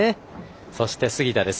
そして、杉田です。